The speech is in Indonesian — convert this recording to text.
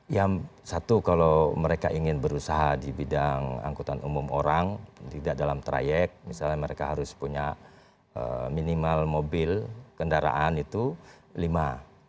ya satu kalau mereka ingin berusaha di bidang angkutan umum orang tidak dalam trayek misalnya mereka harus punya minimal mobil kendaraan itu lima